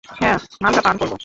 হ্যাঁ, মাল্টা পান করব।